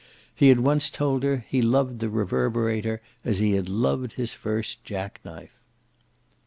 He had once told her he loved the Reverberator as he had loved his first jack knife.